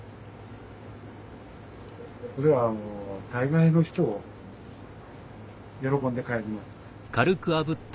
これはもう大概の人喜んで帰ります。